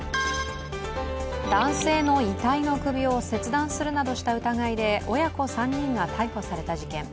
男性の遺体の首を切断するなどした疑いで親子３人が逮捕された事件。